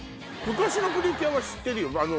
昔の『プリキュア』は知ってるよ。